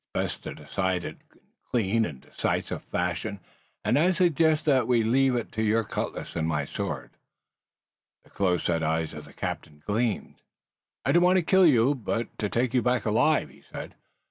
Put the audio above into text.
It's best to decide it in clean and decisive fashion, and I suggest that we leave it to your cutlass and my sword." The close set eyes of the captain gleamed. "I don't want to kill you, but to take you back alive," he said.